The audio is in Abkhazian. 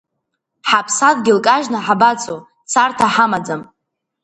Ҳаԥсадгьыл кажьны ҳабацо, царҭа ҳамаӡам.